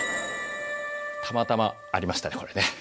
たまたまありましたね